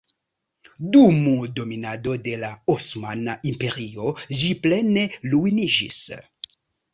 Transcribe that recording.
Dum dominado de la Osmana Imperio ĝi plene ruiniĝis.